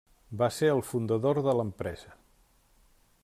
Va ser el fundador de l'empresa.